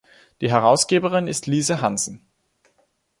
Die Herausgeberin ist Lise Hansen.